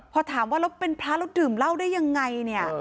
พอถามว่าเราเป็นพระเราดื่มเหล้าได้ยังไง